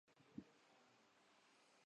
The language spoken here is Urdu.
ایک پوری لائن ہے۔